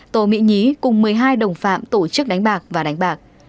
tô mỹ nhí cùng một mươi hai đồng phạm tổ chức đánh bạc và đánh bạc